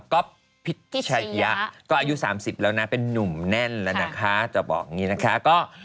กิ๊กชีอยะก็อายุสามสิบแล้วนะเป็นนุ่มแน่นแล้วนะคะ